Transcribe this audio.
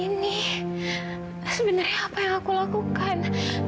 ini sebenarnya apa yang aku lakukan